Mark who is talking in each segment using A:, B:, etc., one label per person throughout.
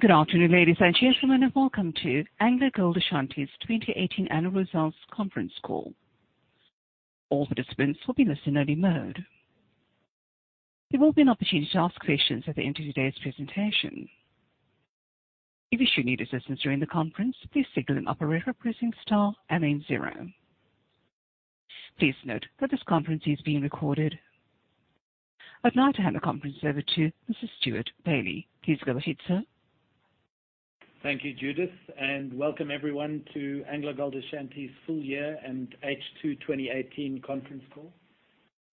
A: Good afternoon, ladies and gentlemen, and welcome to AngloGold Ashanti's 2018 Annual Results Conference Call. All participants will be in listen-only mode. There will be an opportunity to ask questions at the end of today's presentation. If you should need assistance during the conference, please signal an operator by pressing star and then zero. Please note that this conference is being recorded. I'd now like to hand the conference over to Mr. Stewart Bailey. Please go ahead, sir.
B: Thank you, Judith, welcome everyone to AngloGold Ashanti's full year and H2 2018 conference call.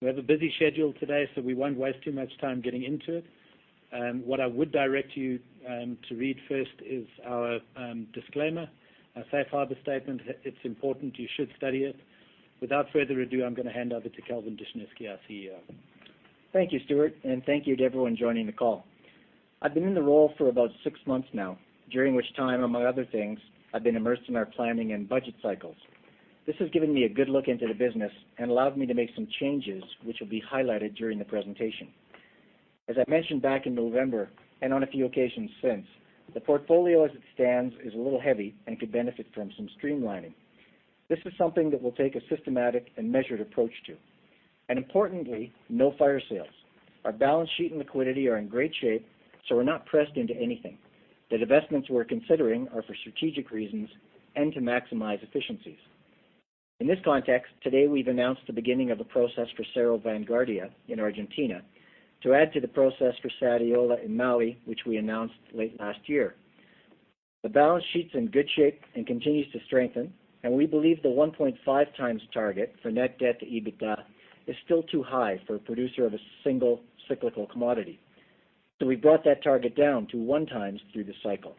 B: We have a busy schedule today, we won't waste too much time getting into it. What I would direct you to read first is our disclaimer, our safe harbor statement. It's important you should study it. Without further ado, I'm going to hand over to Kelvin Dushnisky, our CEO.
C: Thank you, Stewart, thank you to everyone joining the call. I've been in the role for about six months now, during which time, among other things, I've been immersed in our planning and budget cycles. This has given me a good look into the business and allowed me to make some changes which will be highlighted during the presentation. As I mentioned back in November, on a few occasions since, the portfolio as it stands is a little heavy and could benefit from some streamlining. This is something that will take a systematic and measured approach to, importantly, no fire sales. Our balance sheet and liquidity are in great shape, we're not pressed into anything. The divestments we're considering are for strategic reasons and to maximize efficiencies. In this context, today, we've announced the beginning of a process for Cerro Vanguardia in Argentina to add to the process for Sadiola in Mali, which we announced late last year. The balance sheet's in good shape continues to strengthen, we believe the 1.5 times target for net debt to EBITDA is still too high for a producer of a single cyclical commodity. We brought that target down to 1 times through the cycle.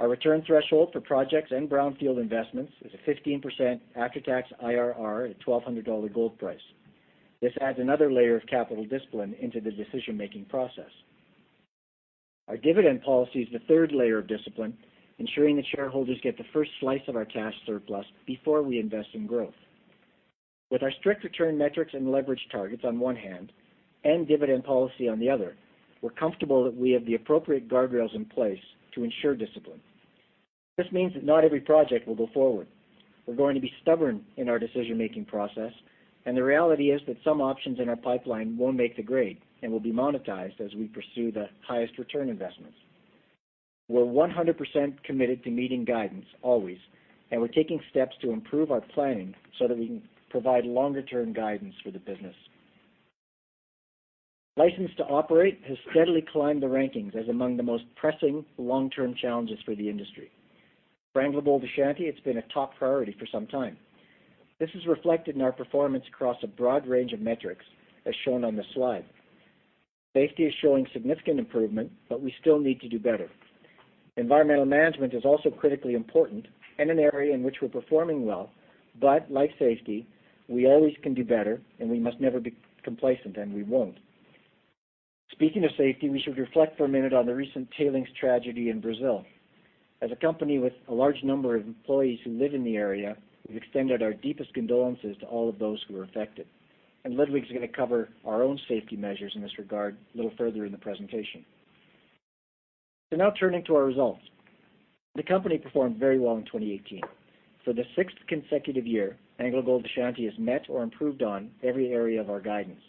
C: Our return threshold for projects and brownfield investments is a 15% after-tax IRR at $1,200 gold price. This adds another layer of capital discipline into the decision-making process. Our dividend policy is the third layer of discipline, ensuring that shareholders get the first slice of our cash surplus before we invest in growth. With our strict return metrics and leverage targets on one hand and dividend policy on the other, we're comfortable that we have the appropriate guardrails in place to ensure discipline. This means that not every project will go forward. We're going to be stubborn in our decision-making process, the reality is that some options in our pipeline won't make the grade and will be monetized as we pursue the highest return investments. We're 100% committed to meeting guidance always, we're taking steps to improve our planning so that we can provide longer-term guidance for the business. License to operate has steadily climbed the rankings as among the most pressing long-term challenges for the industry. For AngloGold Ashanti, it's been a top priority for some time. This is reflected in our performance across a broad range of metrics, as shown on this slide. Safety is showing significant improvement, we still need to do better. Environmental management is also critically important and an area in which we're performing well, like safety, we always can do better and we must never be complacent, we won't. Speaking of safety, we should reflect for a minute on the recent tailings tragedy in Brazil. As a company with a large number of employees who live in the area, we've extended our deepest condolences to all of those who were affected. Ludwig is going to cover our own safety measures in this regard a little further in the presentation. Now turning to our results. The company performed very well in 2018. For the sixth consecutive year, AngloGold Ashanti has met or improved on every area of our guidance.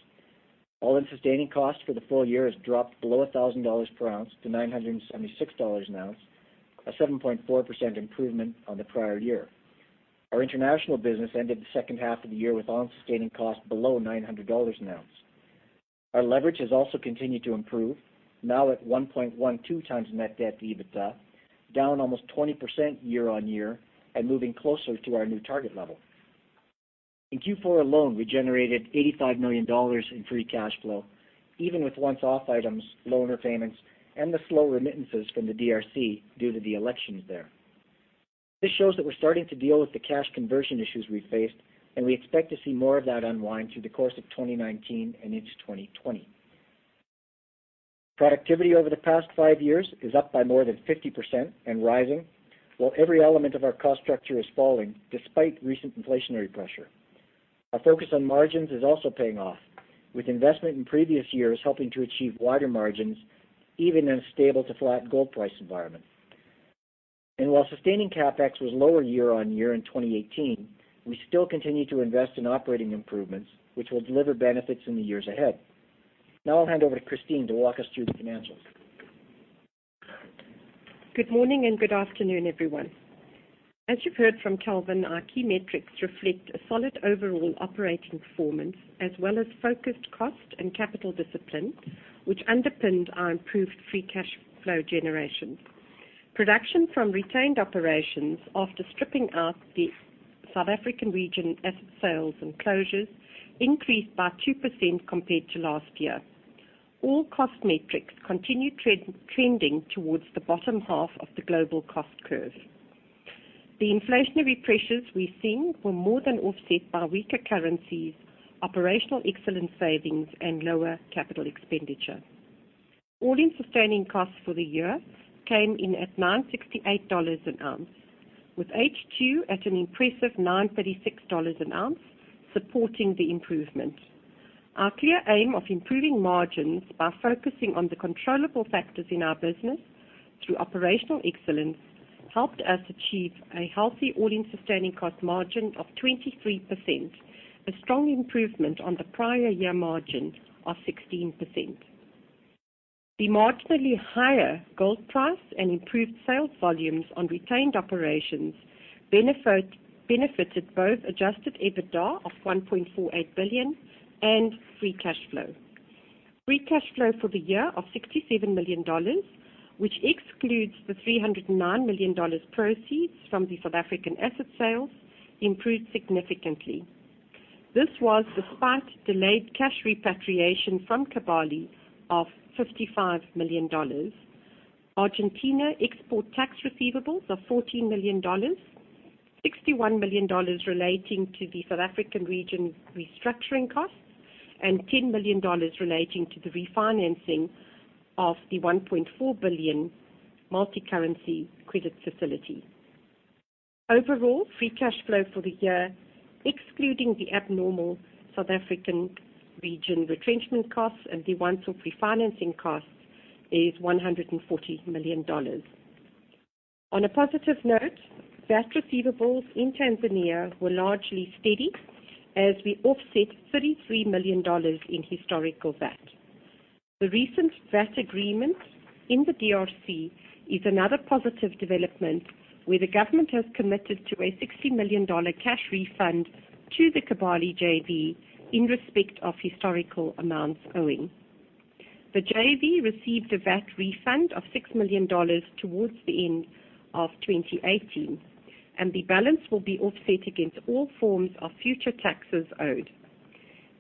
C: All-in sustaining costs for the full year has dropped below $1,000 per ounce to $976 an ounce, a 7.4% improvement on the prior year. Our international business ended the second half of the year with all-in sustaining costs below $900 an ounce. Our leverage has also continued to improve, now at 1.12 times net debt to EBITDA, down almost 20% year-over-year and moving closer to our new target level. In Q4 alone, we generated $85 million in free cash flow, even with once off items, loan repayments, and the slow remittances from the DRC due to the elections there. This shows that we're starting to deal with the cash conversion issues we faced, we expect to see more of that unwind through the course of 2019 and into 2020. Productivity over the past five years is up by more than 50% rising, while every element of our cost structure is falling despite recent inflationary pressure. Our focus on margins is also paying off, with investment in previous years helping to achieve wider margins, even in a stable to flat gold price environment. While sustaining CapEx was lower year-over-year in 2018, we still continue to invest in operating improvements, which will deliver benefits in the years ahead. I'll hand over to Christine to walk us through the financials.
D: Good morning and good afternoon, everyone. As you've heard from Kelvin, our key metrics reflect a solid overall operating performance as well as focused cost and capital discipline, which underpinned our improved free cash flow generation. Production from retained operations after stripping out the South African region asset sales and closures increased by 2% compared to last year. All cost metrics continued trending towards the bottom half of the global cost curve. The inflationary pressures we've seen were more than offset by weaker currencies, operational excellence savings, and lower capital expenditure. All-in sustaining costs for the year came in at $968 an ounce, with H2 at an impressive $936 an ounce supporting the improvement. Our clear aim of improving margins by focusing on the controllable factors in our business through operational excellence helped us achieve a healthy all-in sustaining cost margin of 23%, a strong improvement on the prior year margin of 16%. The marginally higher gold price and improved sales volumes on retained operations benefited both adjusted EBITDA of $1.48 billion and free cash flow. Free cash flow for the year of $67 million, which excludes the $309 million proceeds from the South African asset sales, improved significantly. This was despite delayed cash repatriation from Kibali of $55 million, Argentina export tax receivables of $14 million, $61 million relating to the South African region restructuring costs, and $10 million relating to the refinancing of the $1.4 billion multicurrency credit facility. Overall, free cash flow for the year, excluding the abnormal South African region retrenchment costs and the once-off refinancing costs, is $140 million. On a positive note, VAT receivables in Tanzania were largely steady as we offset $33 million in historical VAT. The recent VAT agreement in the DRC is another positive development where the government has committed to a $60 million cash refund to the Kibali JV in respect of historical amounts owing. The JV received a VAT refund of $6 million towards the end of 2018, and the balance will be offset against all forms of future taxes owed.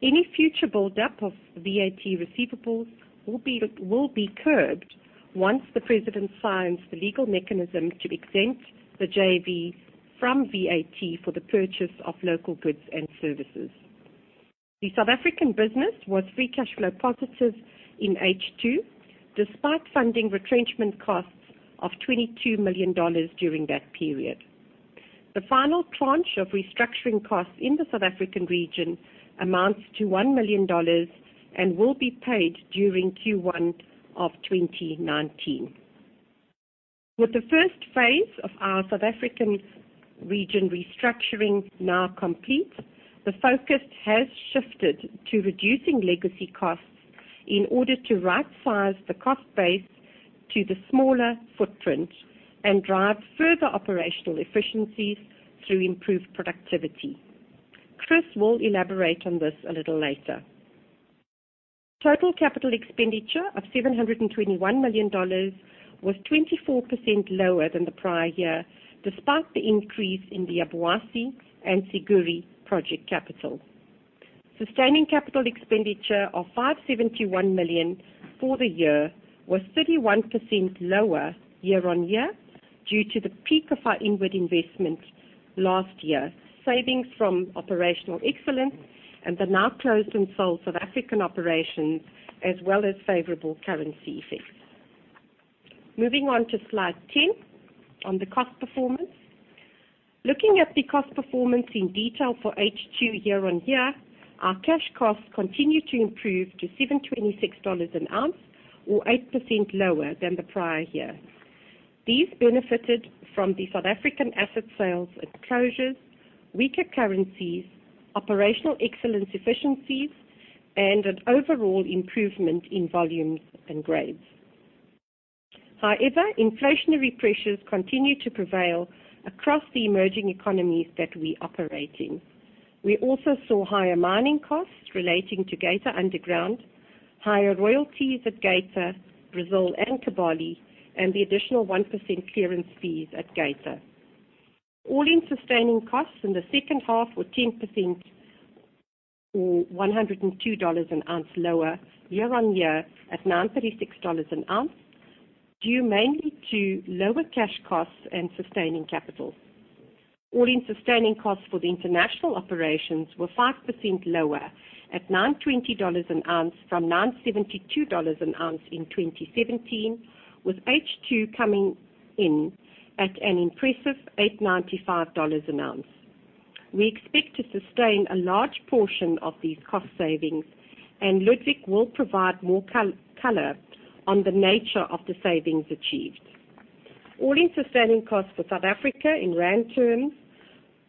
D: Any future build-up of VAT receivables will be curbed once the president signs the legal mechanism to exempt the JV from VAT for the purchase of local goods and services. The South African business was free cash flow positive in H2, despite funding retrenchment costs of $22 million during that period. The final tranche of restructuring costs in the South African region amounts to $1 million and will be paid during Q1 of 2019. With the first phase of our South African region restructuring now complete, the focus has shifted to reducing legacy costs in order to rightsize the cost base to the smaller footprint and drive further operational efficiencies through improved productivity. Chris will elaborate on this a little later. Total capital expenditure of $721 million was 24% lower than the prior year, despite the increase in the Obuasi and Siguiri project capital. Sustaining capital expenditure of $571 million for the year was 31% lower year-on-year due to the peak of our inward investment last year, savings from operational excellence, and the now closed and sold South African operations, as well as favorable currency effects. Moving on to slide 10 on the cost performance. Looking at the cost performance in detail for H2 year-on-year, our cash costs continue to improve to $726 an ounce or 8% lower than the prior year. These benefited from the South African asset sales and closures, weaker currencies, operational excellence efficiencies, and an overall improvement in volumes and grades. Inflationary pressures continue to prevail across the emerging economies that we operate in. We also saw higher mining costs relating to Geita Underground, higher royalties at Geita, Brazil, and Kibali, and the additional 1% clearance fees at Geita. All-in sustaining costs in the second half were 10% or $102 an ounce lower year-on-year at $936 an ounce, due mainly to lower cash costs and sustaining capital. All-in sustaining costs for the international operations were 5% lower at $920 an ounce from $972 an ounce in 2017, with H2 coming in at an impressive $895 an ounce. We expect to sustain a large portion of these cost savings, and Ludwig will provide more color on the nature of the savings achieved. All-in sustaining costs for South Africa in ZAR terms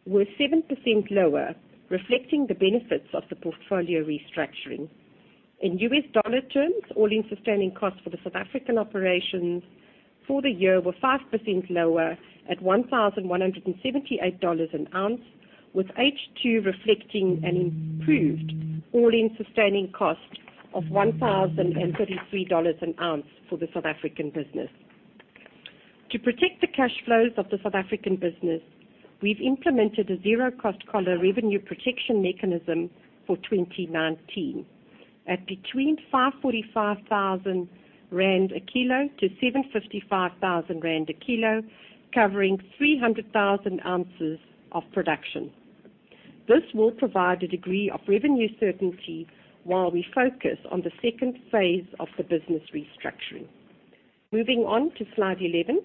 D: were 7% lower, reflecting the benefits of the portfolio restructuring. In US dollar terms, all-in sustaining costs for the South African operations for the year were 5% lower at $1,178 an ounce, with H2 reflecting an improved all-in sustaining cost of $1,033 an ounce for the South African business. To protect the cash flows of the South African business, we've implemented a zero-cost collar revenue protection mechanism for 2019 at between 545,000 rand a kilo to 755,000 rand a kilo, covering 300,000 ounces of production. This will provide a degree of revenue certainty while we focus on the phase 2 of the business restructuring. Moving on to slide 11.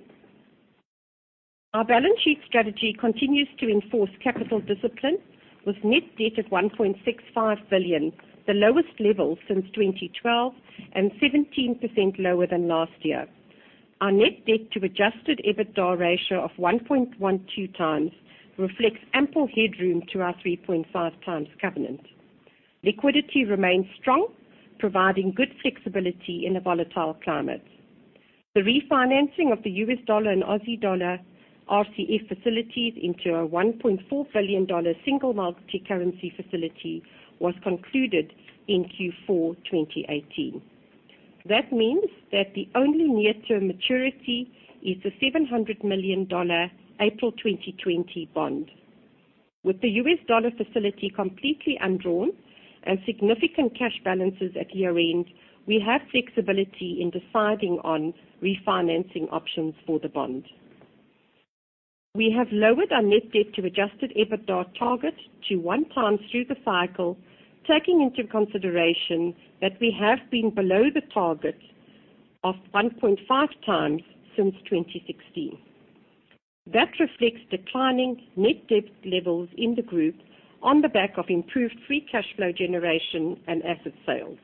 D: Our balance sheet strategy continues to enforce capital discipline with net debt at $1.65 billion, the lowest level since 2012 and 17% lower than last year. Our net debt to adjusted EBITDA ratio of 1.12 times reflects ample headroom to our 3.5 times covenant. Liquidity remains strong, providing good flexibility in a volatile climate. The refinancing of the US dollar and AUD RCF facilities into our $1.4 billion single multi-currency facility was concluded in Q4 2018. That means that the only near-term maturity is the $700 million April 2020 bond. With the US dollar facility completely undrawn and significant cash balances at year-end, we have flexibility in deciding on refinancing options for the bond. We have lowered our net debt to adjusted EBITDA target to 1x through the cycle, taking into consideration that we have been below the target of 1.5x since 2016. That reflects declining net debt levels in the group on the back of improved free cash flow generation and asset sales.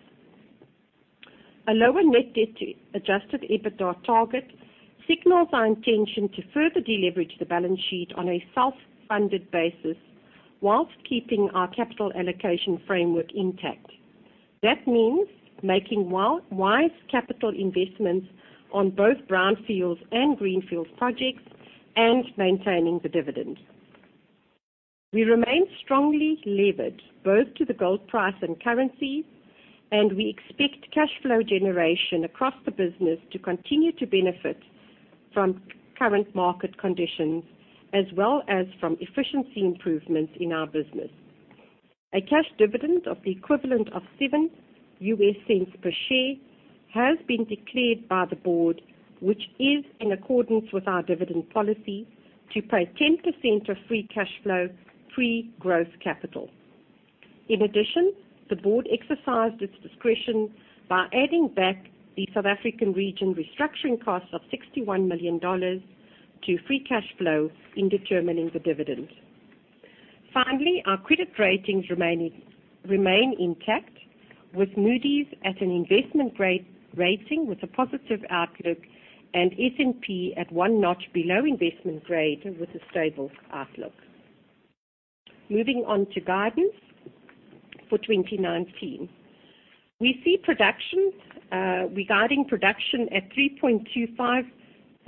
D: A lower net debt to adjusted EBITDA target signals our intention to further deleverage the balance sheet on a self-funded basis, whilst keeping our capital allocation framework intact. That means making wise capital investments on both brownfields and greenfields projects and maintaining the dividend. We remain strongly levered both to the gold price and currency. We expect cash flow generation across the business to continue to benefit from current market conditions as well as from efficiency improvements in our business. A cash dividend of the equivalent of $0.07 per share has been declared by the board, which is in accordance with our dividend policy to pay 10% of free cash flow, pre growth capital. In addition, the board exercised its discretion by adding back the South African region restructuring costs of $61 million to free cash flow in determining the dividend. Finally, our credit ratings remain intact, with Moody's at an investment grade rating with a positive outlook, and S&P at one notch below investment grade with a stable outlook. Moving on to guidance for 2019. We're guiding production at 3.25 million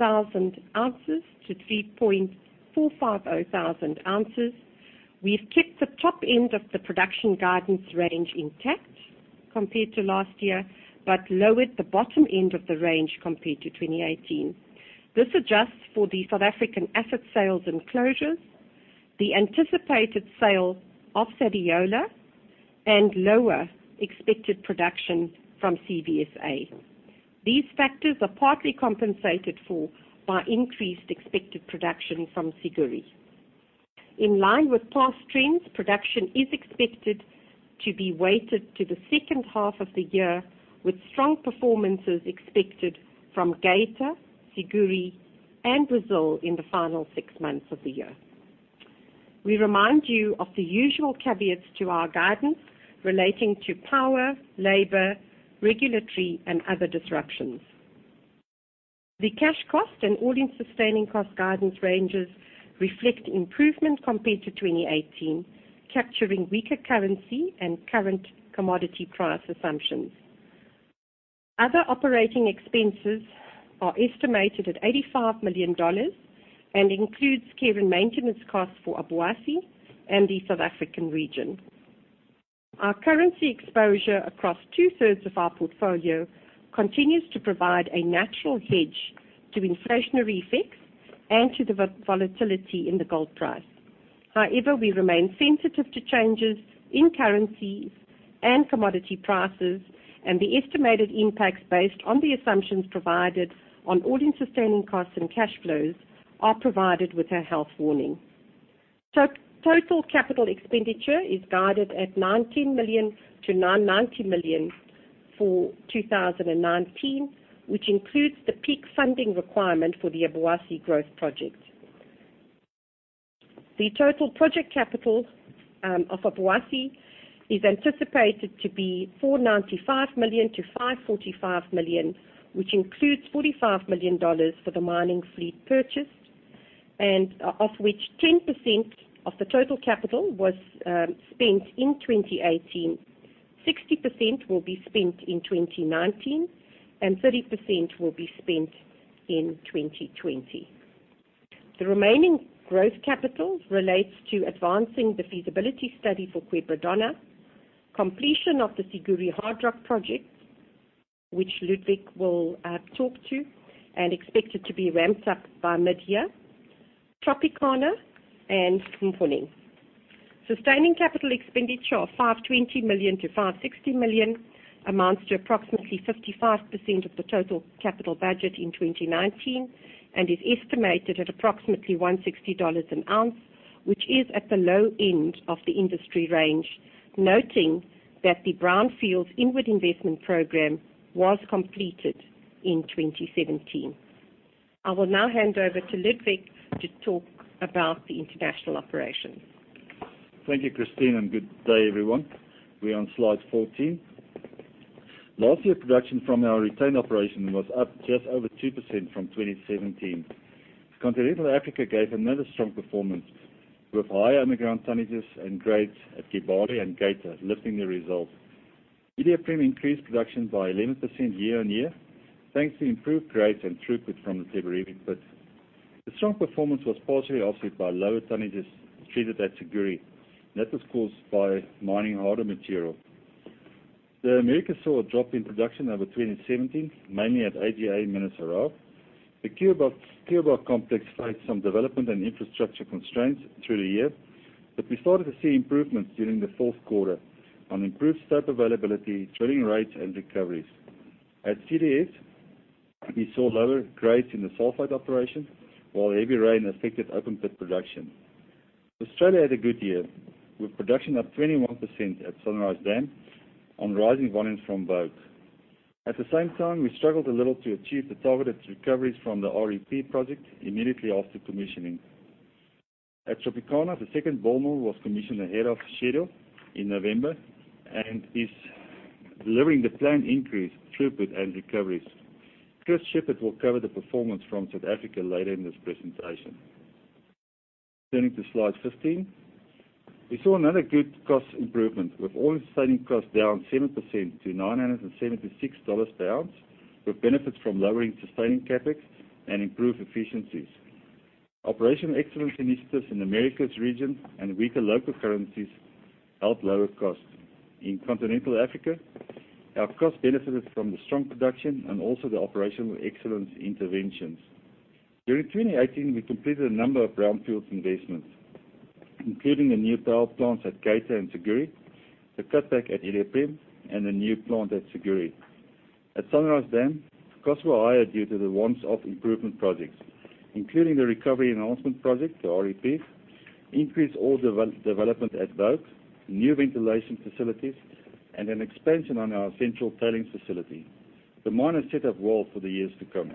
D: ounces to 3.450 million ounces. We've kept the top end of the production guidance range intact compared to last year. We lowered the bottom end of the range compared to 2018. This adjusts for the South African asset sales and closures, the anticipated sale of Sadiola, and lower expected production from CVSA. These factors are partly compensated for by increased expected production from Siguiri. In line with past trends, production is expected to be weighted to the second half of the year, with strong performances expected from Geita, Siguiri, and Brazil in the final six months of the year. We remind you of the usual caveats to our guidance relating to power, labor, regulatory, and other disruptions. The cash cost and all-in sustaining costs guidance ranges reflect improvement compared to 2018, capturing weaker currency and current commodity price assumptions. Other operating expenses are estimated at $85 million and includes care and maintenance costs for Obuasi and the South African region. Our currency exposure across two-thirds of our portfolio continues to provide a natural hedge to inflationary effects and to the volatility in the gold price. However, we remain sensitive to changes in currencies and commodity prices. The estimated impacts based on the assumptions provided on all-in sustaining costs and cash flows are provided with a health warning. Total capital expenditure is guided at $90 million to $990 million for 2019, which includes the peak funding requirement for the Obuasi growth project. The total project capital of Obuasi is anticipated to be $495 million to $545 million, which includes $45 million for the mining fleet purchase. Of which 10% of the total capital was spent in 2018, 60% will be spent in 2019, and 30% will be spent in 2020. The remaining growth capital relates to advancing the feasibility study for Quebradona, completion of the Siguiri Hard Rock project, which Ludwig will talk to, and expected to be ramped up by mid-year, Tropicana and Mponeng. Sustaining capital expenditure of $520 million to $560 million amounts to approximately 55% of the total capital budget in 2019 and is estimated at approximately $160 an ounce. It is at the low end of the industry range, noting that the brownfields inward investment program was completed in 2017. I will now hand over to Ludwig to talk about the international operations.
E: Thank you, Christine, good day, everyone. We're on slide 14. Last year, production from our retained operation was up just over 2% from 2017. Continental Africa gave another strong performance, with high underground tonnages and grades at Kibali and Geita lifting the results. Iduapriem increased production by 11% year-on-year, thanks to improved grades and throughput from the Teberebie pit. The strong performance was partially offset by lower tonnages treated at Siguiri, and that was caused by mining harder material. The Americas saw a drop in production over 2017, mainly at AGA Mineração. The Cuiabá complex faced some development and infrastructure constraints through the year, but we started to see improvements during the fourth quarter on improved stope availability, drilling rates, and recoveries. At CDS, we saw lower grades in the sulfide operation, while heavy rain affected open pit production. Australia had a good year, with production up 21% at Sunrise Dam on rising volumes from Butcher Well. At the same time, we struggled a little to achieve the targeted recoveries from the REP project immediately after commissioning. At Tropicana, the second ball mill was commissioned ahead of schedule in November and is delivering the planned increase in throughput and recoveries. Chris Sheppard will cover the performance from South Africa later in this presentation. Turning to slide 15. We saw another good cost improvement, with all-in sustaining costs down 7% to $976 per ounce, with benefits from lowering sustaining CapEx and improved efficiencies. Operational excellence initiatives in Americas region and weaker local currencies helped lower costs. In continental Africa, our cost benefited from the strong production and also the operational excellence interventions. During 2018, we completed a number of brownfields investments, including the new power plants at Geita and Siguiri, the cutback at Iduapriem, and a new plant at Siguiri. At Sunrise Dam, costs were higher due to the once-off improvement projects, including the recovery enhancement project, the REP, increased ore development at Butcher Well, new ventilation facilities, and an expansion on our central tailings facility. The mine is set up well for the years to come.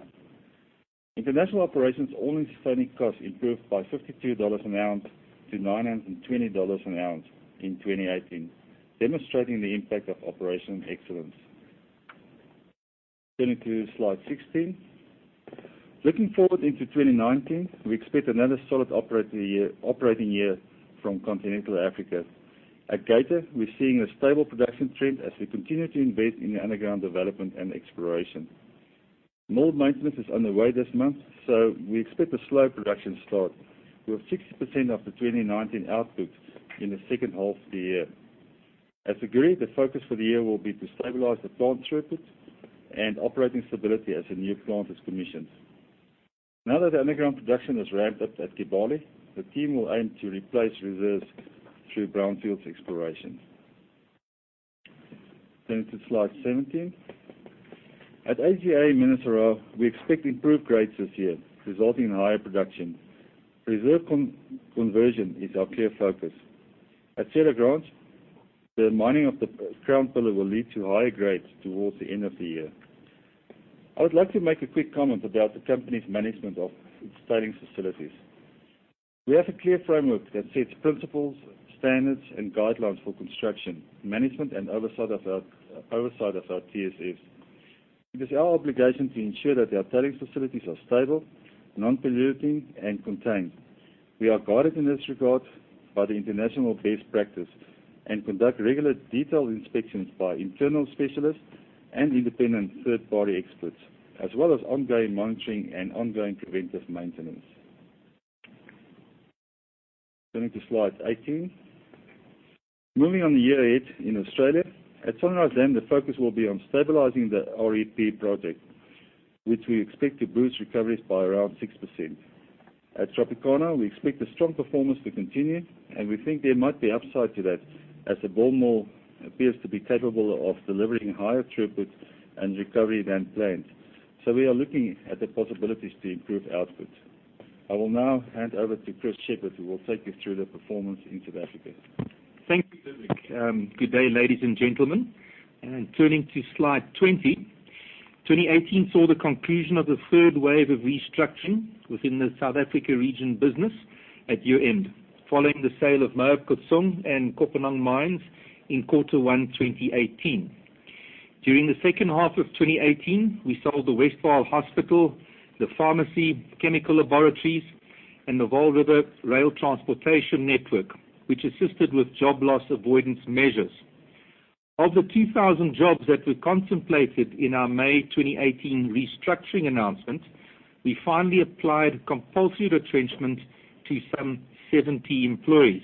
E: International operations' all-in sustaining costs improved by $52 an ounce to $920 an ounce in 2018, demonstrating the impact of operational excellence. Turning to slide 16. Looking forward into 2019, we expect another solid operating year from continental Africa. At Geita, we're seeing a stable production trend as we continue to invest in underground development and exploration. Mill maintenance is underway this month, we expect a slow production start with 60% of the 2019 output in the second half of the year. At Siguiri, the focus for the year will be to stabilize the plant throughput and operating stability as the new plant is commissioned. Now that underground production has ramped up at Kibali, the team will aim to replace reserves through brownfields exploration. To slide 17. At AGA Mineração, we expect improved grades this year, resulting in higher production. Reserve conversion is our clear focus. At Serra Grande, the mining of the crown pillar will lead to higher grades towards the end of the year. I would like to make a quick comment about the company's management of its tailings facilities. We have a clear framework that sets principles, standards, and guidelines for construction, management, and oversight of our TSFs. It is our obligation to ensure that our tailings facilities are stable, non-polluting, and contained. We are guided in this regard by the international best practice and conduct regular detailed inspections by internal specialists and independent third-party experts, as well as ongoing monitoring and ongoing preventive maintenance. Turning to slide 18. Moving on a year ahead in Australia, at Sunrise Dam, the focus will be on stabilizing the REP project, which we expect to boost recoveries by around 6%. At Tropicana, we expect the strong performance to continue, and we think there might be upside to that as the ball mill appears to be capable of delivering higher throughput and recovery than planned. We are looking at the possibilities to improve output. I will now hand over to Chris Sheppard, who will take you through the performance in South Africa.
F: Thank you, Ludwig. Good day, ladies and gentlemen. Turning to slide 20. 2018 saw the conclusion of the third wave of restructuring within the South Africa region business at year-end, following the sale of Moab Khotsong, and Kopanang mines in quarter 1 2018. During the second half of 2018, we sold the AngloGold Ashanti Hospital, the pharmacy, chemical laboratories, and the Vaal River rail transportation network, which assisted with job loss avoidance measures. Of the 2,000 jobs that we contemplated in our May 2018 restructuring announcement, we finally applied compulsory retrenchment to some 70 employees.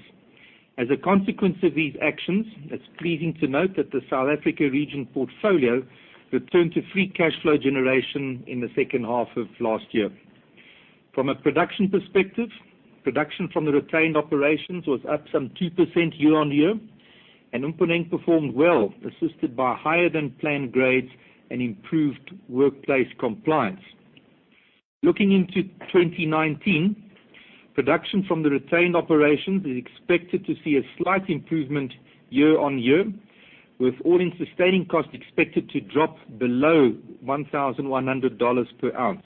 F: As a consequence of these actions, it's pleasing to note that the South Africa region portfolio returned to free cash flow generation in the second half of last year. From a production perspective, production from the retained operations was up some 2% year-on-year. Mponeng performed well, assisted by higher than planned grades and improved workplace compliance. Looking into 2019, production from the retained operations is expected to see a slight improvement year-on-year, with all-in sustaining costs expected to drop below $1,100 per ounce.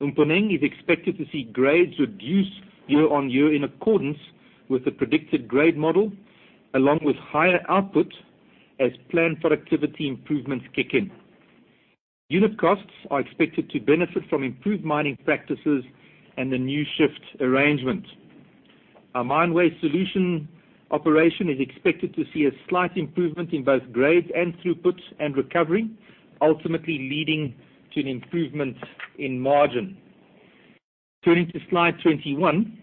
F: Mponeng is expected to see grades reduce year-on-year in accordance with the predicted grade model, along with higher output as planned productivity improvements kick in. Unit costs are expected to benefit from improved mining practices and the new shift arrangement. Our Mine Waste Solutions operation is expected to see a slight improvement in both grades and throughput and recovery, ultimately leading to an improvement in margin. Turning to slide 21,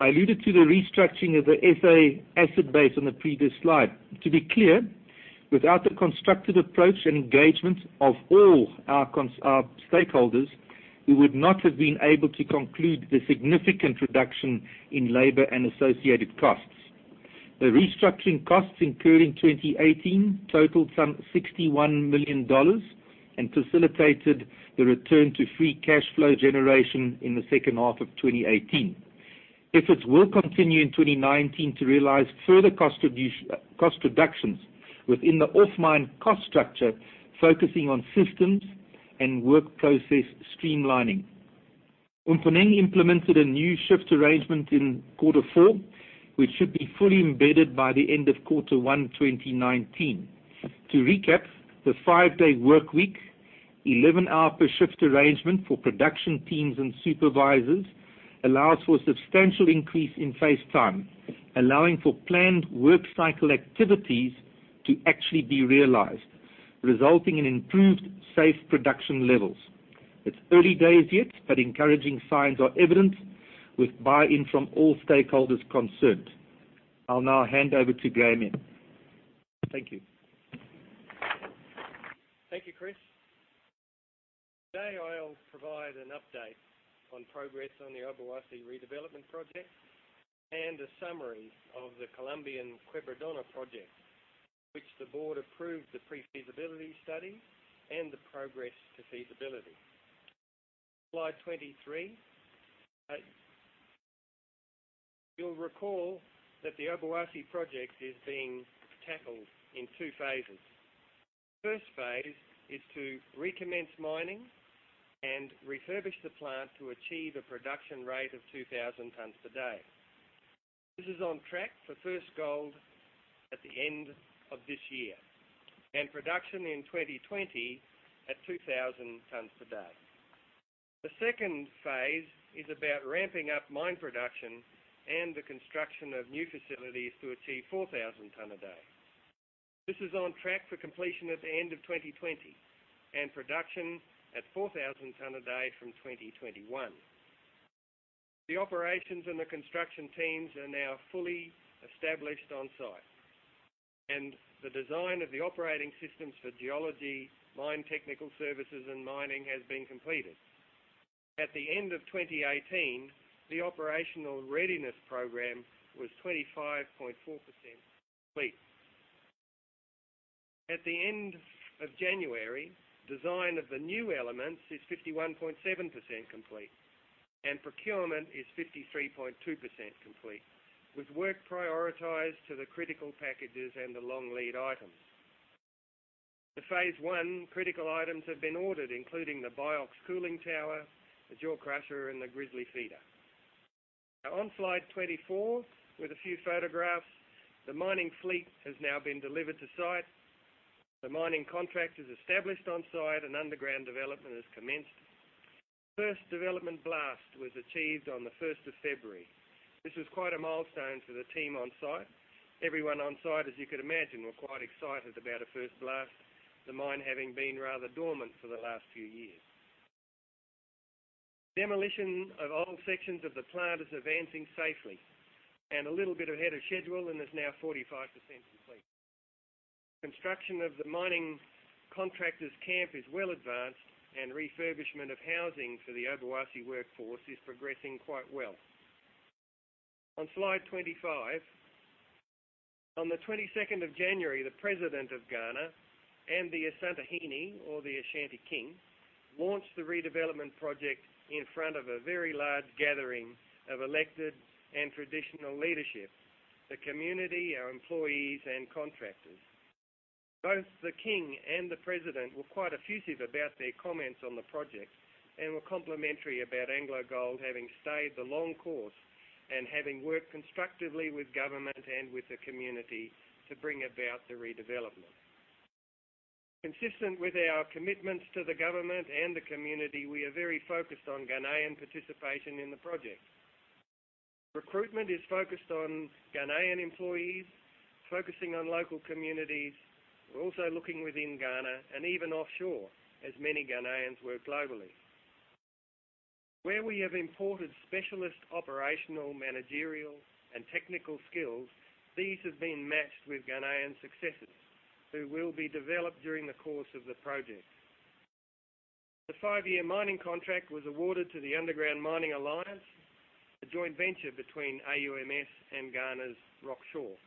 F: I alluded to the restructuring of the SA asset base on the previous slide. To be clear, without the constructive approach and engagement of all our stakeholders, we would not have been able to conclude the significant reduction in labor and associated costs. The restructuring costs incurred in 2018 totaled some $61 million and facilitated the return to free cash flow generation in the second half of 2018. Efforts will continue in 2019 to realize further cost reductions within the off-mine cost structure, focusing on systems and work process streamlining. Mponeng implemented a new shift arrangement in quarter 4, which should be fully embedded by the end of quarter 1 2019. To recap, the five-day work week, 11-hour per shift arrangement for production teams and supervisors allows for substantial increase in face time, allowing for planned work cycle activities to actually be realized, resulting in improved safe production levels. It's early days yet, but encouraging signs are evident with buy-in from all stakeholders concerned. I'll now hand over to Graham. Thank you.
G: Thank you, Chris. Today, I'll provide an update on progress on the Obuasi redevelopment project and a summary of the Colombian Quebradona project, which the board approved the pre-feasibility study and the progress to feasibility. Slide 23. You'll recall that the Obuasi project is being tackled in two phases. The first phase is to recommence mining and refurbish the plant to achieve a production rate of 2,000 tons per day. This is on track for first gold at the end of this year, and production in 2020 at 2,000 tons per day. The second phase is about ramping up mine production and the construction of new facilities to achieve 4,000 ton a day. This is on track for completion at the end of 2020, and production at 4,000 ton a day from 2021. The operations and the construction teams are now fully established on-site, and the design of the operating systems for geology, mine technical services, and mining has been completed. At the end of 2018, the operational readiness program was 25.4% complete. At the end of January, design of the new elements is 51.7% complete, and procurement is 53.2% complete, with work prioritized to the critical packages and the long lead items. The phase 1 critical items have been ordered, including the BIOX cooling tower, the jaw crusher, and the grizzly feeder. On slide 24, with a few photographs, the mining fleet has now been delivered to site. The mining contract is established on-site, and underground development has commenced. First development blast was achieved on the 1st of February. This was quite a milestone for the team on-site. Everyone on-site, as you could imagine, were quite excited about a first blast. The mine had been rather dormant for the last few years. Demolition of old sections of the plant is advancing safely and a little bit ahead of schedule, and is now 45% complete. Construction of the mining contractor's camp is well advanced, and refurbishment of housing for the Obuasi workforce is progressing quite well. On slide 25, on the 22nd of January, the President of Ghana and the Asantehene, or the Ashanti king, launched the redevelopment project in front of a very large gathering of elected and traditional leadership, the community, our employees, and contractors. Both the king and the president were quite effusive about their comments on the project and were complimentary about AngloGold having stayed the long course and having worked constructively with government and with the community to bring about the redevelopment. Consistent with our commitments to the government and the community, we are very focused on Ghanaian participation in the project. Recruitment is focused on Ghanaian employees, focusing on local communities. We're also looking within Ghana and even offshore, as many Ghanaians work globally. Where we have imported specialist operational, managerial, and technical skills, these have been matched with Ghanaian successors who will be developed during the course of the project. The five-year mining contract was awarded to the Underground Mining Alliance, a joint venture between AUMS and Ghana's Rocksure International.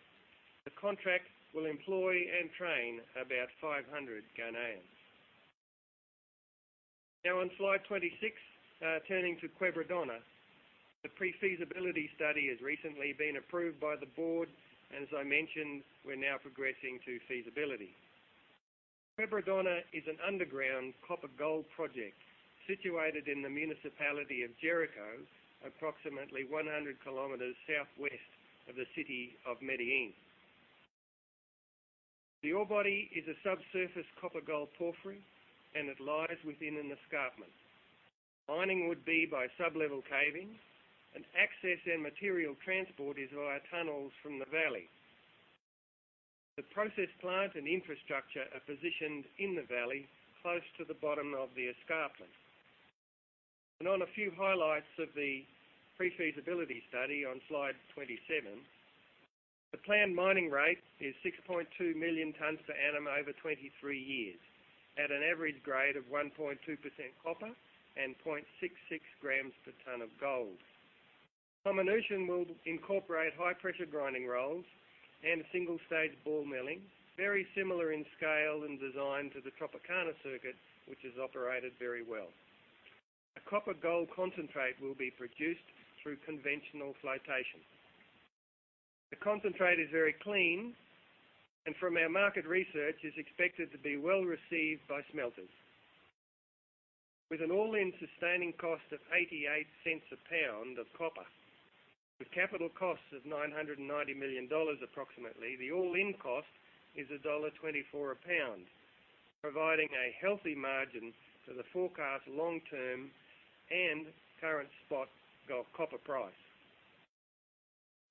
G: The contract will employ and train about 500 Ghanaians. On slide 26, turning to Quebradona. The pre-feasibility study has recently been approved by the board, as I mentioned, we're now progressing to feasibility. Quebradona is an underground copper-gold project situated in the municipality of Jericó, approximately 100 km southwest of the city of Medellín. The ore body is a subsurface copper-gold porphyry, it lies within an escarpment. Mining would be by sub-level caving, access and material transport is via tunnels from the valley. The process plant and infrastructure are positioned in the valley close to the bottom of the escarpment. On a few highlights of the pre-feasibility study on Slide 27, the planned mining rate is 6.2 million tons per annum over 23 years, at an average grade of 1.2% copper and 0.66 g per ton of gold. Comminution will incorporate high-pressure grinding rolls and single-stage ball milling, very similar in scale and design to the Tropicana circuit, which has operated very well. A copper-gold concentrate will be produced through conventional flotation. The concentrate is very clean, from our market research is expected to be well-received by smelters. With an all-in sustaining cost of $0.88 a pound of copper, with capital costs of $990 million approximately, the all-in cost is $1.24 a pound, providing a healthy margin to the forecast long term and current spot gold-copper price.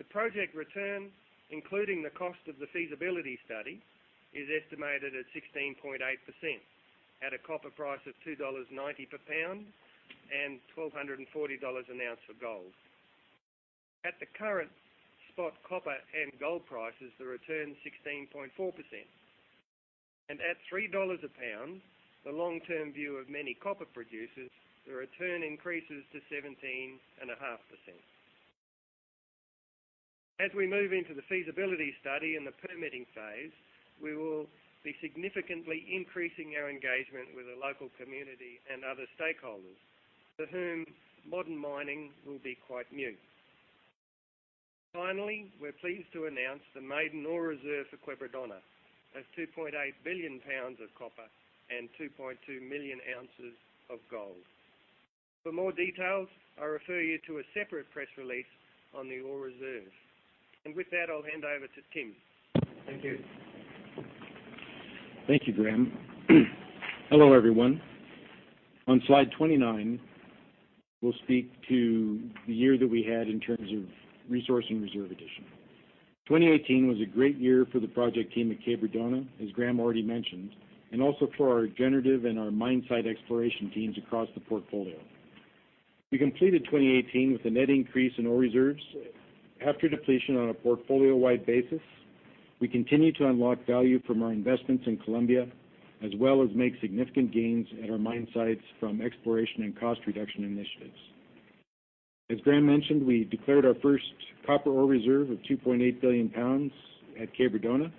G: The project return, including the cost of the feasibility study, is estimated at 16.8% at a copper price of $2.90 per pound and $1,240 an ounce for gold. At the current spot copper and gold prices, the return is 16.4%. At $3 a pound, the long-term view of many copper producers, the return increases to 17.5%. As we move into the feasibility study and the permitting phase, we will be significantly increasing our engagement with the local community and other stakeholders, for whom modern mining will be quite new. Finally, we're pleased to announce the maiden ore reserve for Quebradona of 2.8 billion pounds of copper and 2.2 million ounces of gold. For more details, I refer you to a separate press release on the ore reserve. With that, I'll hand over to Tim. Thank you.
H: Thank you, Graham. Hello, everyone. On slide 29, we'll speak to the year that we had in terms of resource and reserve addition. 2018 was a great year for the project team at Quebradona, as Graham already mentioned, and also for our generative and our mine site exploration teams across the portfolio. We completed 2018 with a net increase in ore reserves after depletion on a portfolio-wide basis. We continue to unlock value from our investments in Colombia, as well as make significant gains at our mine sites from exploration and cost reduction initiatives. As Graham mentioned, we declared our first copper ore reserve of 2.8 billion pounds at Quebradona,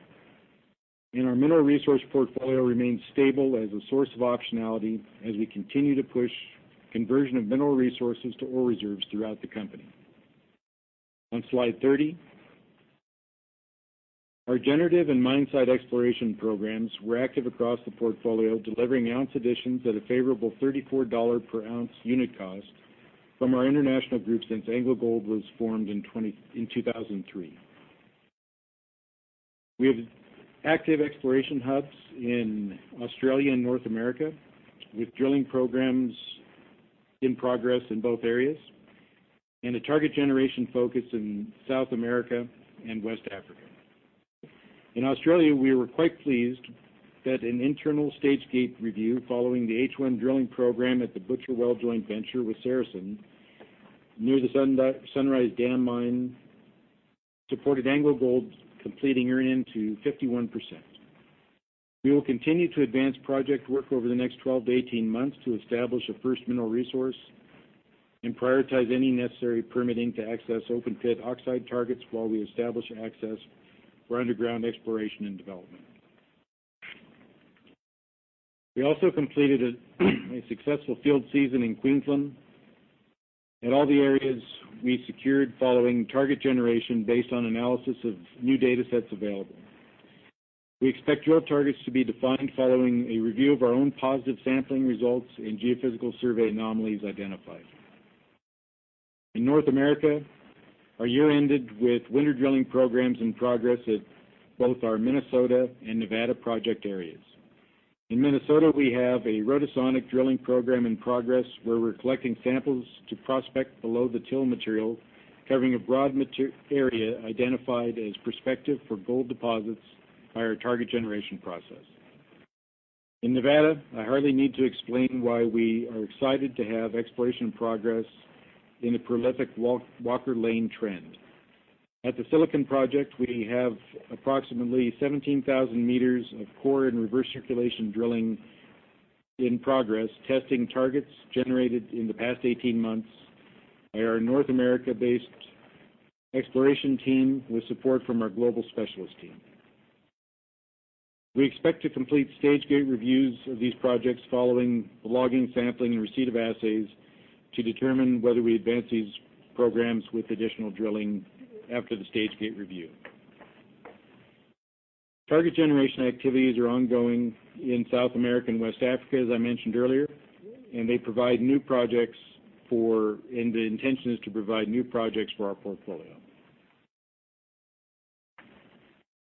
H: and our mineral resource portfolio remains stable as a source of optionality as we continue to push conversion of mineral resources to ore reserves throughout the company. On slide 30, our generative and mine site exploration programs were active across the portfolio, delivering ounce additions at a favorable $34 per ounce unit cost from our international group since AngloGold was formed in 2003. We have active exploration hubs in Australia and North America, with drilling programs in progress in both areas, and a target generation focus in South America and West Africa. In Australia, we were quite pleased that an internal stage-gate review following the H1 drilling program at the Butcher Well joint venture with Saracen near the Sunrise Dam mine supported AngloGold completing earn-in to 51%. We will continue to advance project work over the next 12 to 18 months to establish a first mineral resource and prioritize any necessary permitting to access open-pit oxide targets while we establish access for underground exploration and development. We also completed a successful field season in Queensland. At all the areas we secured following target generation based on analysis of new data sets available. We expect drill targets to be defined following a review of our own positive sampling results and geophysical survey anomalies identified. In North America, our year ended with winter drilling programs in progress at both our Minnesota and Nevada project areas. In Minnesota, we have a rotosonic drilling program in progress where we're collecting samples to prospect below the till material, covering a broad area identified as prospective for gold deposits by our target generation process. In Nevada, I hardly need to explain why we are excited to have exploration progress in the prolific Walker Lane trend. At the Silicon project, we have approximately 17,000 meters of core and reverse circulation drilling in progress, testing targets generated in the past 18 months by our North America-based exploration team with support from our global specialist team. We expect to complete stage-gate reviews of these projects following logging, sampling, and receipt of assays to determine whether we advance these programs with additional drilling after the stage-gate review. Target generation activities are ongoing in South America and West Africa, as I mentioned earlier. The intention is to provide new projects for our portfolio.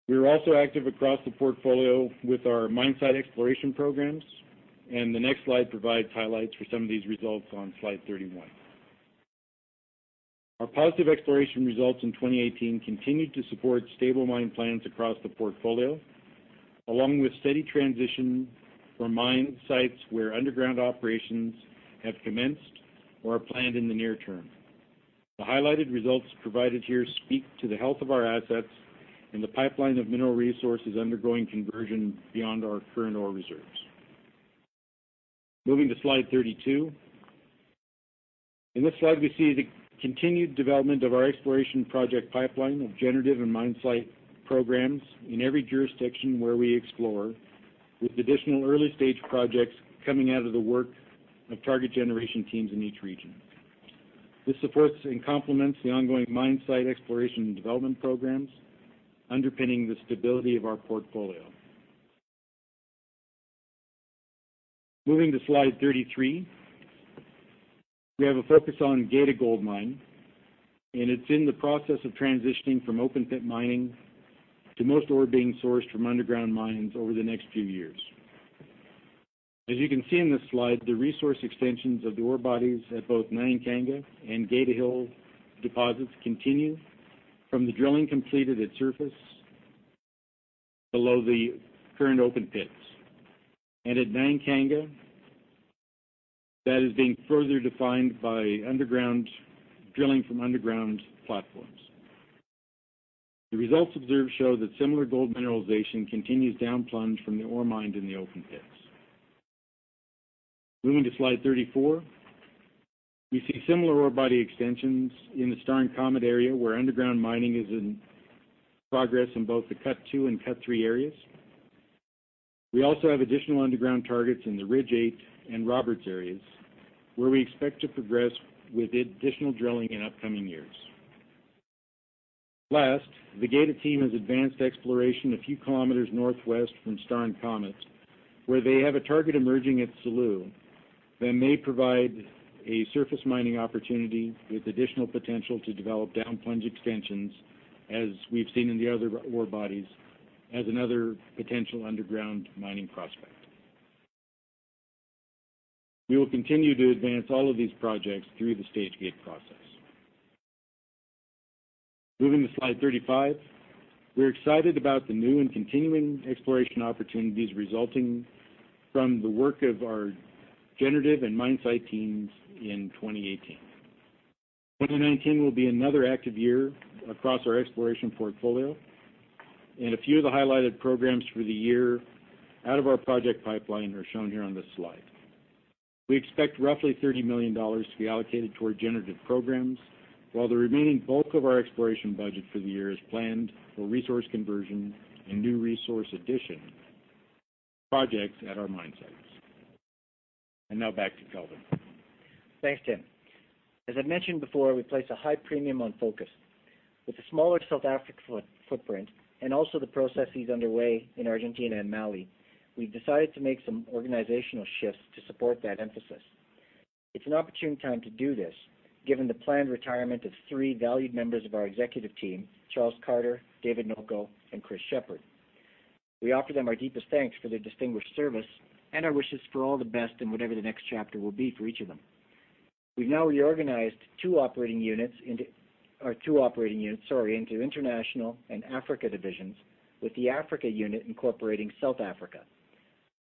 H: We are also active across the portfolio with our mine site exploration programs, and the next slide provides highlights for some of these results on slide 31. Our positive exploration results in 2018 continued to support stable mine plans across the portfolio, along with steady transition for mine sites where underground operations have commenced or are planned in the near term. The highlighted results provided here speak to the health of our assets and the pipeline of mineral resources undergoing conversion beyond our current ore reserves. Moving to slide 32. In this slide, we see the continued development of our exploration project pipeline of generative and mine site programs in every jurisdiction where we explore, with additional early-stage projects coming out of the work of target generation teams in each region. This supports and complements the ongoing mine site exploration and development programs underpinning the stability of our portfolio. Moving to slide 33. We have a focus on the Geita Gold Mine, and it's in the process of transitioning from open pit mining to most ore being sourced from underground mines over the next few years. As you can see in this slide, the resource extensions of the ore bodies at both Nyankanga and Geita Hill deposits continue from the drilling completed at surface below the current open pits. At Nyankanga, that is being further defined by underground drilling from underground platforms. The results observed show that similar gold mineralization continues down plunge from the ore mined in the open pits. Moving to slide 34. We see similar ore body extensions in the Star and Comet area where underground mining is in progress in both the Cut 2 and Cut 3 areas. We also have additional underground targets in the Ridge 8 and Roberts areas, where we expect to progress with additional drilling in upcoming years. Last, the Geita team has advanced exploration a few kilometers northwest from Star and Comet, where they have a target emerging at Saloo that may provide a surface mining opportunity with additional potential to develop down plunge extensions, as we've seen in the other ore bodies as another potential underground mining prospect. We will continue to advance all of these projects through the stage-gate process. Moving to slide 35. We're excited about the new and continuing exploration opportunities resulting from the work of our generative and mine site teams in 2018. 2019 will be another active year across our exploration portfolio, a few of the highlighted programs for the year out of our project pipeline are shown here on this slide. We expect roughly $30 million to be allocated toward generative programs, while the remaining bulk of our exploration budget for the year is planned for resource conversion and new resource addition projects at our mine sites. Now back to Kelvin.
C: Thanks, Tim. As I mentioned before, we place a high premium on focus. With the smaller South Africa footprint and also the processes underway in Argentina and Mali, we've decided to make some organizational shifts to support that emphasis. It's an opportune time to do this given the planned retirement of three valued members of our executive team, Charles Carter, David Noko, and Chris Sheppard. We offer them our deepest thanks for their distinguished service and our wishes for all the best in whatever the next chapter will be for each of them. We've now reorganized our two operating units, sorry, into International and Africa divisions, with the Africa unit incorporating South Africa.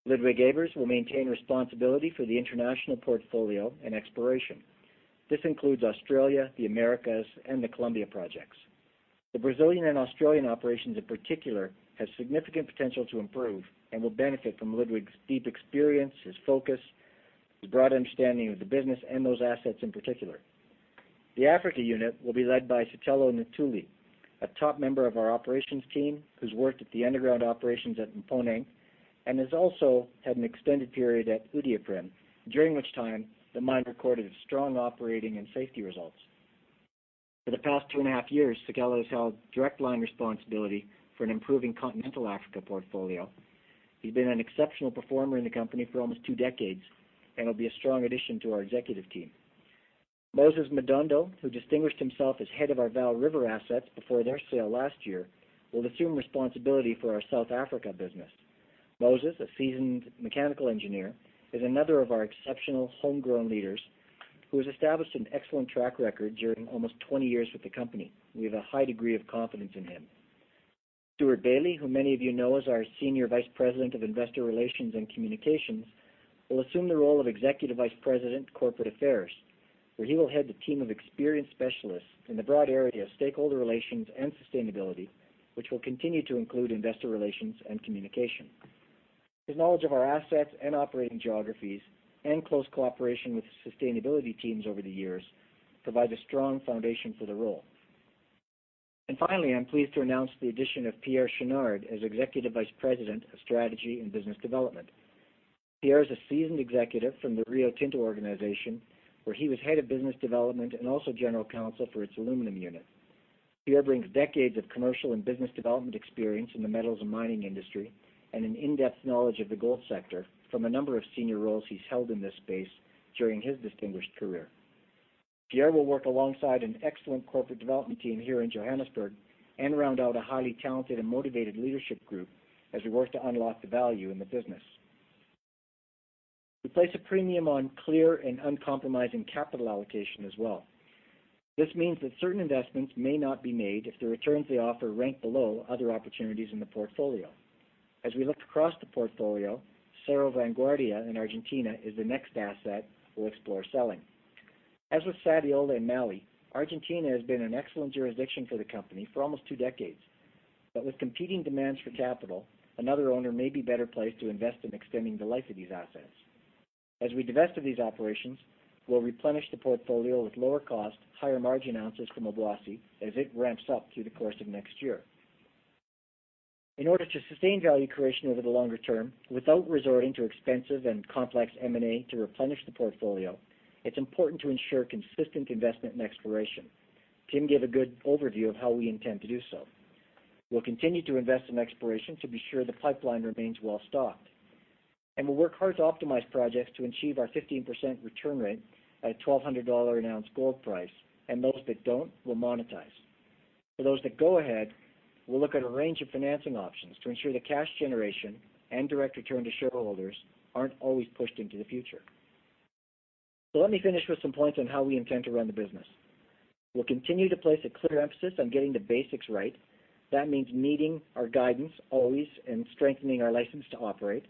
C: Ludwig Eybers will maintain responsibility for the international portfolio and exploration. This includes Australia, the Americas, and the Colombia projects. The Brazilian and Australian operations in particular, have significant potential to improve and will benefit from Ludwig's deep experience, his focus, his broad understanding of the business, and those assets in particular. The Africa unit will be led by Sicelo Ntuli, a top member of our operations team who's worked at the underground operations at Mponeng and has also had an extended period at Iduapriem, during which time the mine recorded strong operating and safety results. For the past two and a half years, Sicelo has held direct line responsibility for an improving Continental Africa portfolio. He's been an exceptional performer in the company for almost 2 decades and will be a strong addition to our executive team. Moses Madondo, who distinguished himself as head of our Vaal River assets before their sale last year, will assume responsibility for our South Africa business. Moses, a seasoned mechanical engineer, is another of our exceptional homegrown leaders who has established an excellent track record during almost 20 years with the company. We have a high degree of confidence in him. Stewart Bailey, who many of you know as our Senior Vice President of Investor Relations and Communications, will assume the role of Executive Vice President, Corporate Affairs, where he will head the team of experienced specialists in the broad area of stakeholder relations and sustainability, which will continue to include investor relations and communication. His knowledge of our assets and operating geographies and close cooperation with sustainability teams over the years provide a strong foundation for the role. Finally, I'm pleased to announce the addition of Pierre Chouinard as Executive Vice President of Strategy and Business Development. Pierre is a seasoned executive from the Rio Tinto organization, where he was head of business development and also general counsel for its aluminum unit. Pierre brings decades of commercial and business development experience in the metals and mining industry and an in-depth knowledge of the gold sector from a number of senior roles he's held in this space during his distinguished career. Pierre will work alongside an excellent corporate development team here in Johannesburg and round out a highly talented and motivated leadership group as we work to unlock the value in the business. We place a premium on clear and uncompromising capital allocation as well. This means that certain investments may not be made if the returns they offer rank below other opportunities in the portfolio. As we look across the portfolio, Cerro Vanguardia in Argentina is the next asset we'll explore selling. As with Sadiola in Mali, Argentina has been an excellent jurisdiction for the company for almost 2 decades. With competing demands for capital, another owner may be better placed to invest in extending the life of these assets. As we divest of these operations, we'll replenish the portfolio with lower cost, higher margin ounces from Obuasi as it ramps up through the course of next year. In order to sustain value creation over the longer term, without resorting to expensive and complex M&A to replenish the portfolio, it's important to ensure consistent investment in exploration. Tim gave a good overview of how we intend to do so. We'll continue to invest in exploration to be sure the pipeline remains well-stocked. We'll work hard to optimize projects to achieve our 15% return rate at a $1,200 an ounce gold price, and those that don't, we'll monetize. For those that go ahead, we'll look at a range of financing options to ensure that cash generation and direct return to shareholders aren't always pushed into the future. Let me finish with some points on how we intend to run the business. We'll continue to place a clear emphasis on getting the basics right. That means meeting our guidance always and strengthening our license to operate.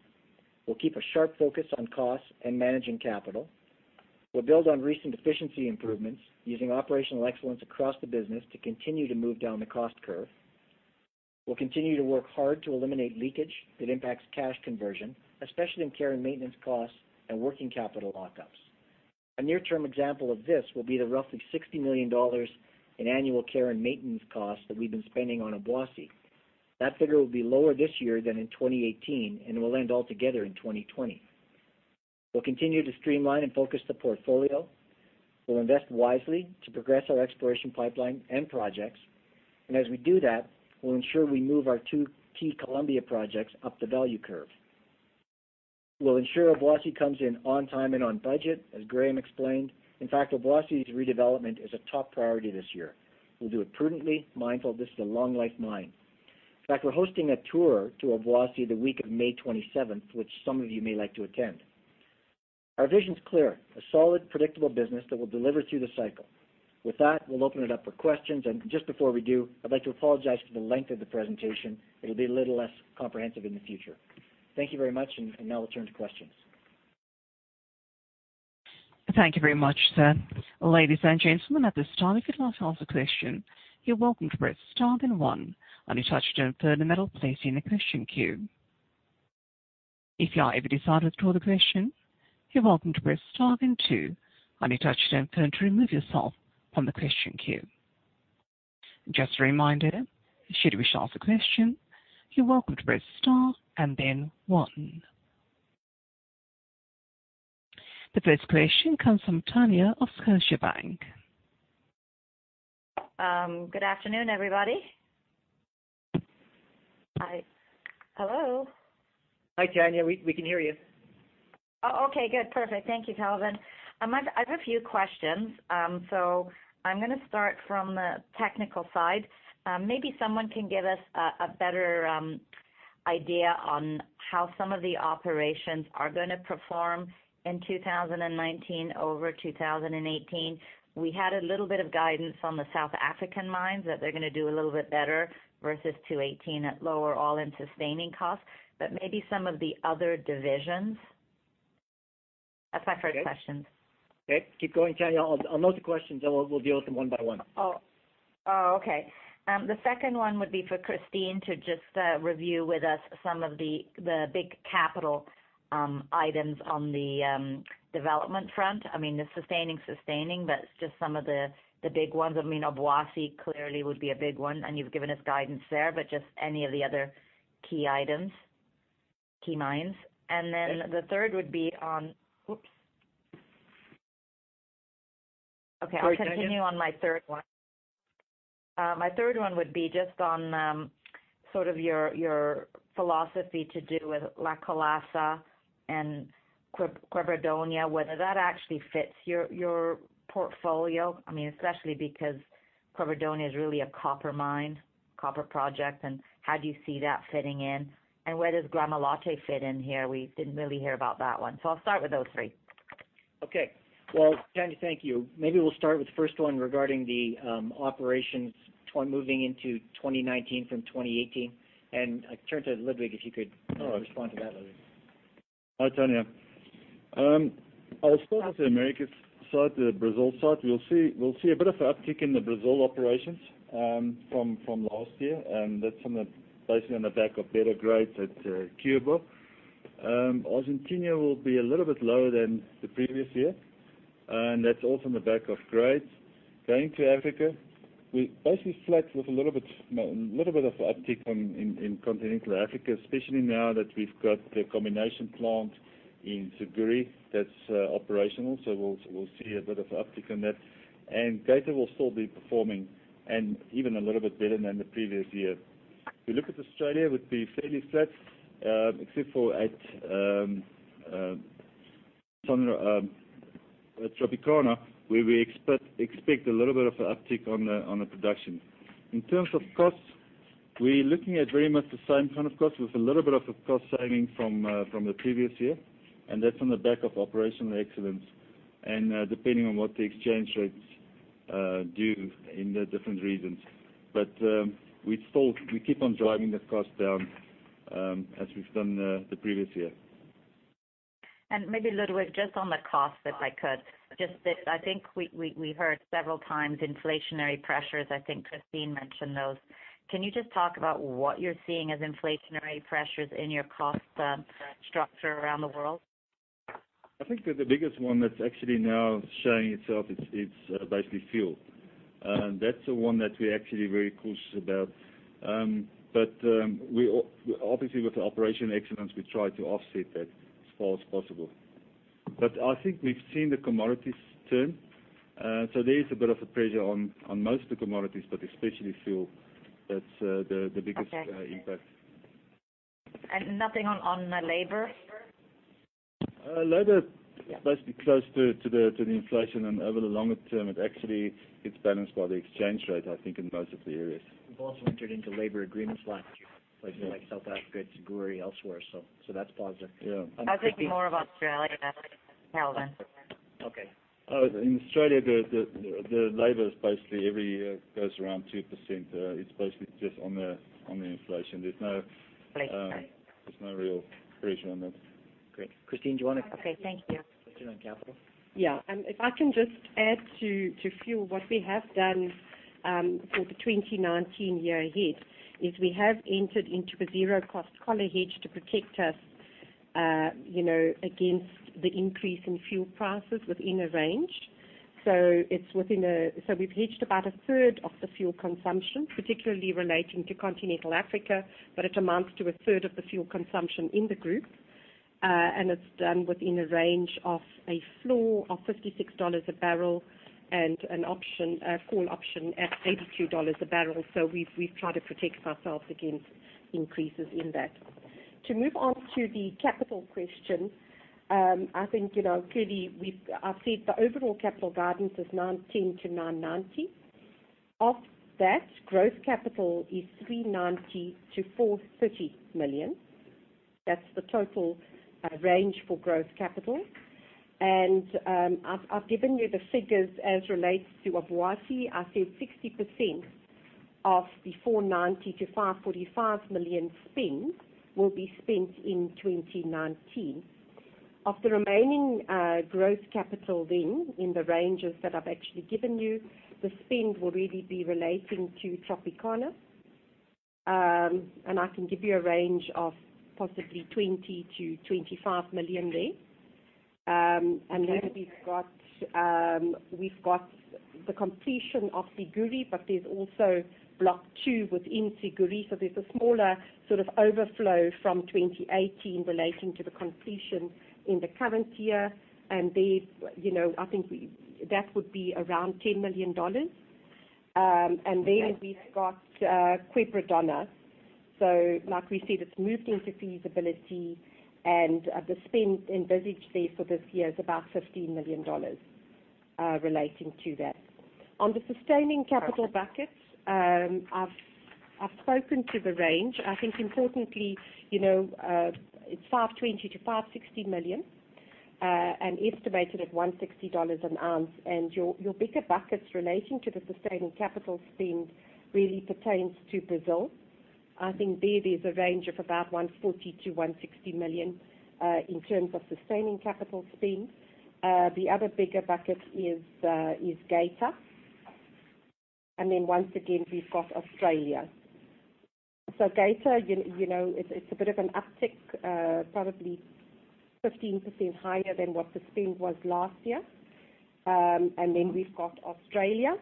C: We'll keep a sharp focus on costs and managing capital. We'll build on recent efficiency improvements using operational excellence across the business to continue to move down the cost curve. We'll continue to work hard to eliminate leakage that impacts cash conversion, especially in care and maintenance costs and working capital lockups. A near-term example of this will be the roughly $60 million in annual care and maintenance costs that we've been spending on Obuasi. That figure will be lower this year than in 2018 and will end altogether in 2020. We'll continue to streamline and focus the portfolio. We'll invest wisely to progress our exploration pipeline and projects. As we do that, we'll ensure we move our two key Colombia projects up the value curve. We'll ensure Obuasi comes in on time and on budget, as Graham explained. In fact, Obuasi's redevelopment is a top priority this year. We'll do it prudently, mindful this is a long-life mine. In fact, we're hosting a tour to Obuasi the week of May 27th, which some of you may like to attend. Our vision's clear, a solid, predictable business that will deliver through the cycle. With that, we'll open it up for questions, and just before we do, I'd like to apologize for the length of the presentation. It'll be a little less comprehensive in the future. Thank you very much. Now we'll turn to questions.
A: Thank you very much, sir. Ladies and gentlemen, at this time, if you'd like to ask a question, you're welcome to press star then one on your touchtone phone and that'll place you in the question queue. If at any time you decide to withdraw the question, you're welcome to press star then two on your touchtone phone to remove yourself from the question queue. Just a reminder, should you wish to ask a question, you're welcome to press star and then one. The first question comes from Tanya of Scotiabank.
I: Good afternoon, everybody. Hi. Hello?
C: Hi, Tanya. We can hear you.
I: Oh, okay, good. Perfect. Thank you, Kelvin. I have a few questions. I'm going to start from the technical side. Maybe someone can give us a better idea on how some of the operations are going to perform in 2019 over 2018. We had a little bit of guidance on the South African mines that they're going to do a little bit better versus 2018 at lower all-in sustaining costs, maybe some of the other divisions. That's my first question.
C: Okay. Keep going, Tanya. I'll note the questions, and we'll deal with them one by one.
I: Okay. The second one would be for Christine to just review with us some of the big capital items on the development front. The sustaining, but just some of the big ones. Obuasi clearly would be a big one, and you've given us guidance there, but just any of the other key items, key mines. Then the third would be on Okay.
C: Sorry, Tanya.
I: I'll continue on my third one. My third one would be just on sort of your philosophy to do with La Colosa and Quebradona, whether that actually fits your portfolio, especially because Quebradona is really a copper mine, copper project, and how do you see that fitting in? Where does Gramalote fit in here? We didn't really hear about that one. I'll start with those three.
C: Okay. Well, Tanya, thank you. Maybe we'll start with the first one regarding the operations moving into 2019 from 2018. I turn to Ludwig, if you could respond to that, Ludwig.
E: Hi, Tanya. I'll start with the Americas side, the Brazil side. We'll see a bit of uptick in the Brazil operations from last year. That's from basically on the back of better grades at Cuiabá. Argentina will be a little bit lower than the previous year. That's also on the back of grades. Going to Africa, we're basically flat with a little bit of uptick in Continental Africa, especially now that we've got the combination plant in Siguiri that's operational. We'll see a bit of uptick in that. Geita will still be performing, even a little bit better than the previous year. If you look at Australia, it would be fairly flat except for at Tropicana, where we expect a little bit of an uptick on the production. In terms of costs, we're looking at very much the same kind of costs with a little bit of a cost saving from the previous year. That's on the back of operational excellence and depending on what the exchange rates do in the different regions. We keep on driving the cost down as we've done the previous year.
I: Maybe Ludwig, just on the cost, if I could. I think we heard several times inflationary pressures. I think Christine mentioned those. Can you just talk about what you're seeing as inflationary pressures in your cost structure around the world?
E: I think that the biggest one that's actually now showing itself is basically fuel. That's the one that we're actually very cautious about. Obviously, with the operational excellence, we try to offset that as far as possible. I think we've seen the commodities turn, there is a bit of a pressure on most of the commodities, but especially fuel. That's the biggest impact.
I: Okay. Nothing on labor?
E: Labor, basically close to the inflation over the longer term, it actually gets balanced by the exchange rate, I think, in most of the areas.
C: We've also entered into labor agreements last year, places like South Africa, Siguiri, elsewhere. That's positive.
E: Yeah.
I: I was thinking more of Australia, Kelvin.
C: Okay.
E: In Australia, the labor is basically every year goes around 2%. It's basically just on the inflation.
I: Right.
E: There's no real pressure on that.
C: Great. Christine, do you want to.
I: Okay, thank you
C: touch on capital?
D: Yeah. If I can just add to fuel, what we have done for the 2019 year ahead is we have entered into a zero-cost collar hedge to protect us against the increase in fuel prices within a range. We've hedged about a third of the fuel consumption, particularly relating to continental Africa, but it amounts to a third of the fuel consumption in the group. It's done within a range of a floor of $56 a barrel and a call option at $82 a barrel. We've tried to protect ourselves against increases in that. To move on to the capital question, I think clearly I've said the overall capital guidance is $910-$990. Of that, growth capital is $390 million-$430 million. That's the total range for growth capital. I've given you the figures as relates to Obuasi. I said 60% of the $490 million-$545 million spend will be spent in 2019. Of the remaining growth capital then, in the ranges that I've actually given you, the spend will really be relating to Tropicana. I can give you a range of possibly $20 million-$25 million there. Then we've got the completion of Siguiri, but there's also block 2 within Siguiri. There's a smaller sort of overflow from 2018 relating to the completion in the current year. There, I think that would be around $10 million. Then we've got Quebradona. Like we said, it's moved into feasibility, and the spend envisaged there for this year is about $15 million relating to that. On the sustaining capital buckets, I've spoken to the range. I think importantly, it's $520 million-$560 million and estimated at $160 an ounce. Your bigger buckets relating to the sustaining capital spend really pertains to Brazil. I think there is a range of about $140 million-$160 million in terms of sustaining capital spend. The other bigger bucket is Geita. Then once again, we've got Australia. Geita, it's a bit of an uptick, probably 15% higher than what the spend was last year. Then we've got Australia,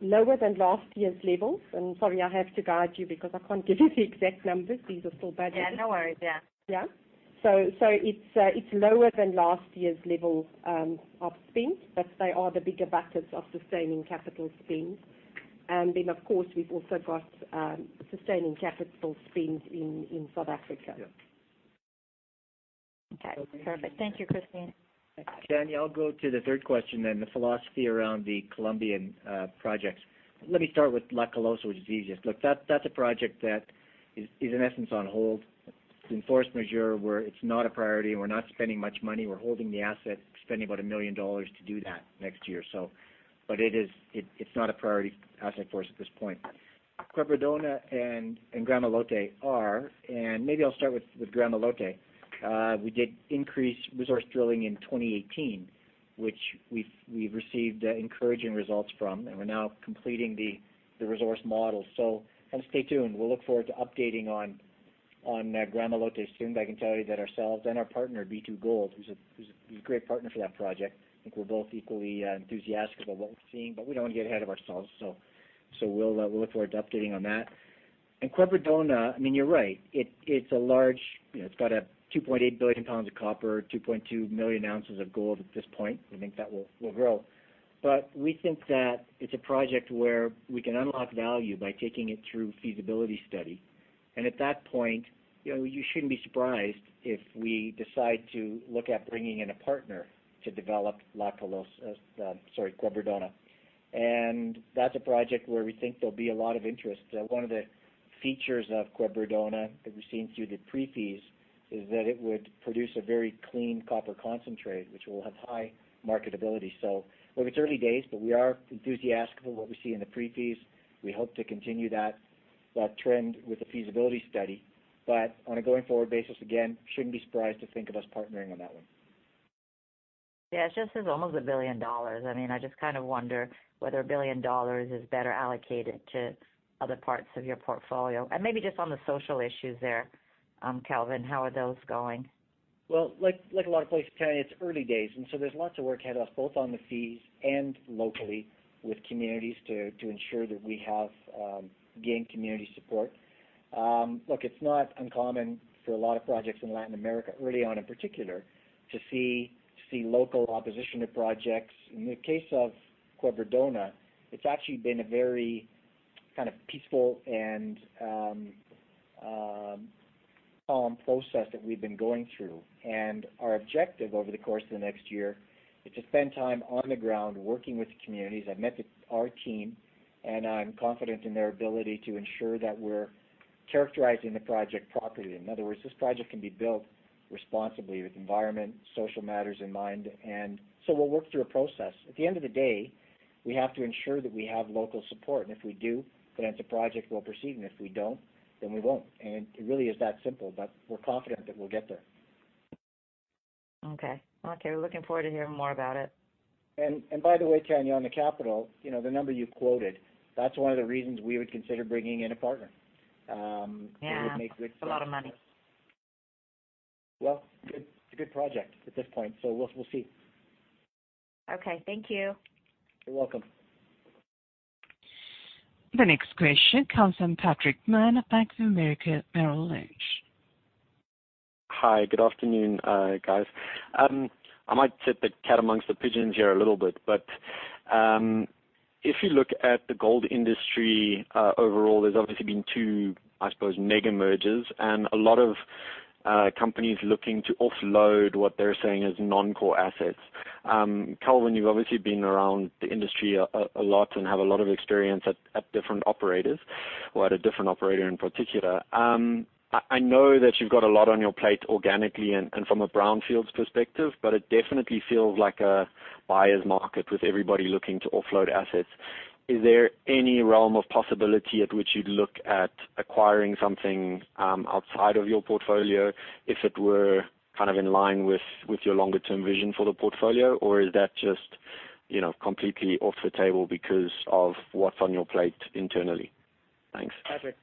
D: lower than last year's levels. Sorry, I have to guide you because I can't give you the exact numbers. These are still budgets.
I: Yeah, no worries.
D: It's lower than last year's levels of spend, but they are the bigger buckets of sustaining capital spend. Then, of course, we've also got sustaining capital spends in South Africa.
C: Yeah.
I: Okay, perfect. Thank you, Christine.
C: Tanya, I'll go to the third question then, the philosophy around the Colombian projects. Let me start with La Colosa, which is easiest. Look, that's a project that is, in essence, on hold. It's in force majeure where it's not a priority and we're not spending much money. We're holding the asset, spending about $1 million to do that next year. It's not a priority asset for us at this point. Quebradona and Gramalote are. Maybe I'll start with Gramalote. We did increase resource drilling in 2018, which we've received encouraging results from, and we're now completing the resource model. Stay tuned. We'll look forward to updating on Gramalote soon. I can tell you that ourselves and our partner, B2Gold, who's a great partner for that project, I think we're both equally enthusiastic about what we're seeing, but we don't want to get ahead of ourselves. We'll look forward to updating on that. Quebradona, I mean, you're right. It's large. It's got 2.8 billion pounds of copper, 2.2 million ounces of gold at this point. We think that will grow. We think that it's a project where we can unlock value by taking it through feasibility study. At that point, you shouldn't be surprised if we decide to look at bringing in a partner to develop La Colosa-- sorry, Quebradona. That's a project where we think there'll be a lot of interest. One of the features of Quebradona that we've seen through the pre-fees is that it would produce a very clean copper concentrate, which will have high marketability. It's early days, but we are enthusiastic about what we see in the pre-fees. We hope to continue that trend with the feasibility study, but on a going forward basis, again, shouldn't be surprised to think of us partnering on that one.
I: Yeah. It's just there's almost $1 billion. I just wonder whether $1 billion is better allocated to other parts of your portfolio. Maybe just on the social issues there, Kelvin, how are those going?
C: Well, like a lot of places, Tanya, it's early days, so there's lots of work ahead of us, both on the fees and locally with communities to ensure that we have gained community support. Look, it's not uncommon for a lot of projects in Latin America early on, in particular, to see local opposition to projects. In the case of Quebradona, it's actually been a very peaceful and calm process that we've been going through. Our objective over the course of the next year is to spend time on the ground working with the communities. I've met our team, and I'm confident in their ability to ensure that we're characterizing the project properly. In other words, this project can be built responsibly with environment, social matters in mind. So we'll work through a process. At the end of the day, we have to ensure that we have local support. If we do, then it's a project we'll proceed. If we don't, then we won't. It really is that simple, but we're confident that we'll get there.
I: Okay. We're looking forward to hearing more about it.
C: By the way, Tanya, on the capital, the number you quoted, that's one of the reasons we would consider bringing in a partner.
I: Yeah. It's a lot of money.
C: Well, it's a good project at this point. We'll see.
I: Okay. Thank you.
C: You're welcome.
A: The next question comes from Patrick Mann of Bank of America Merrill Lynch.
J: Hi. Good afternoon, guys. I might set the cat amongst the pigeons here a little bit. If you look at the gold industry overall, there's obviously been two, I suppose, mega merges and a lot of companies looking to offload what they're saying is non-core assets. Kelvin, you've obviously been around the industry a lot and have a lot of experience at different operators or at a different operator in particular. I know that you've got a lot on your plate organically and from a brownfields perspective, but it definitely feels like a buyer's market with everybody looking to offload assets. Is there any realm of possibility at which you'd look at acquiring something outside of your portfolio if it were in line with your longer-term vision for the portfolio? Or is that just completely off the table because of what's on your plate internally? Thanks.
C: Patrick.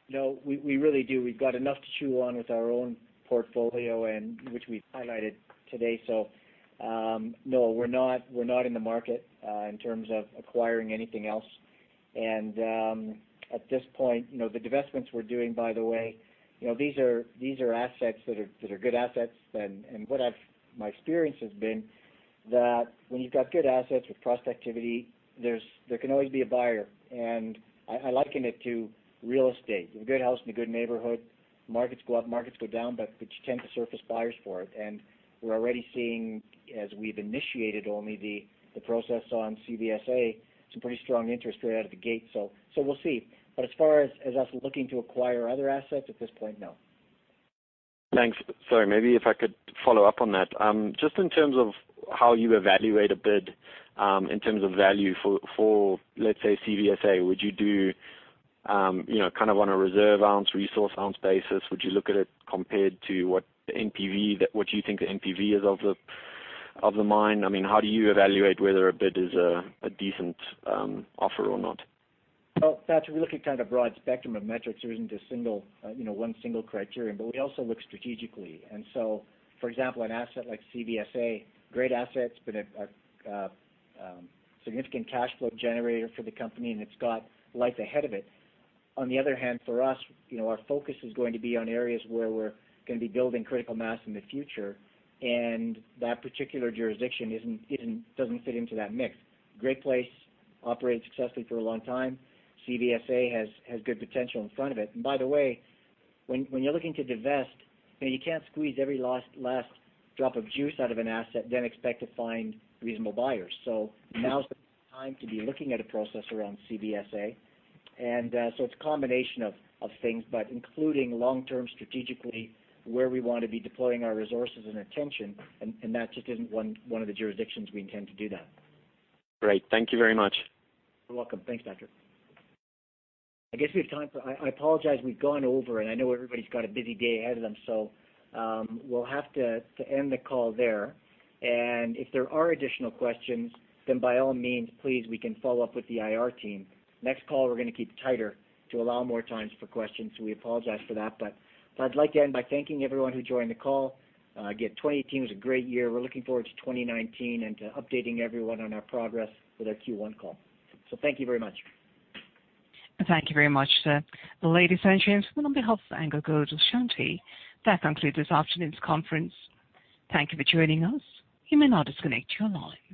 C: We really do. We've got enough to chew on with our own portfolio, which we've highlighted today. No, we're not in the market in terms of acquiring anything else. At this point, the divestments we're doing, by the way, these are assets that are good assets. What my experience has been that when you've got good assets with productivity, there can always be a buyer, and I liken it to real estate. A good house in a good neighborhood, markets go up, markets go down, but you tend to surface buyers for it. We're already seeing, as we've initiated only the process on CVSA, some pretty strong interest right out of the gate. We'll see. As far as us looking to acquire other assets at this point, no.
J: Thanks. Sorry, maybe if I could follow up on that. Just in terms of how you evaluate a bid, in terms of value for, let's say, CVSA, would you do on a reserve ounce, resource ounce basis? Would you look at it compared to what the NPV, what you think the NPV is of the mine? How do you evaluate whether a bid is a decent offer or not?
C: Patrick, we look at a broad spectrum of metrics. There isn't one single criterion, but we also look strategically. For example, an asset like CVSA, great asset, it's been a significant cash flow generator for the company, and it's got life ahead of it. On the other hand, for us, our focus is going to be on areas where we're going to be building critical mass in the future, and that particular jurisdiction doesn't fit into that mix. Great place, operate successfully for a long time. CVSA has good potential in front of it. By the way, when you're looking to divest, you can't squeeze every last drop of juice out of an asset, then expect to find reasonable buyers. Now's the time to be looking at a process around CVSA. It's a combination of things, but including long-term strategically where we want to be deploying our resources and attention, and that just isn't one of the jurisdictions we intend to do that.
J: Great. Thank you very much.
C: You're welcome. Thanks, Patrick. I apologize we've gone over, and I know everybody's got a busy day ahead of them, so we'll have to end the call there. If there are additional questions, by all means, please, we can follow up with the IR team. Next call, we're going to keep tighter to allow more times for questions. We apologize for that. I'd like to end by thanking everyone who joined the call. Again, 2018 was a great year. We're looking forward to 2019 and to updating everyone on our progress with our Q1 call. Thank you very much.
A: Thank you very much, sir. Ladies and gentlemen, on behalf of AngloGold Ashanti, that concludes this afternoon's conference. Thank you for joining us. You may now disconnect your lines.